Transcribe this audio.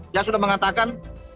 dia sudah mengatakan